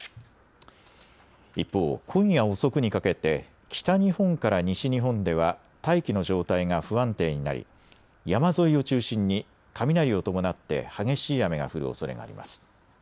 一方、今夜遅くにかけて北日本から西日本では大気の状態が不安定になり山沿いを中心に雷を伴って激しい雨が降るおそれがあります。